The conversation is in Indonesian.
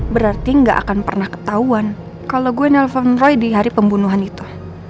berarti gak akan pernah ketahuan kalau gue nelfon roy di hari pembunuhan itu